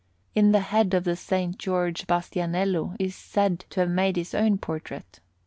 In the head of the S. George Bastianello is said to have made his own portrait.